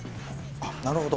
あっなるほど。